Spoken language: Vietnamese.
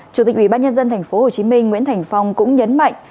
chủ tịch ubnd tp hồ chí minh nguyễn thành phong cũng nhấn mạnh